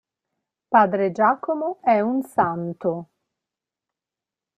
Padre Giacomo è un santo.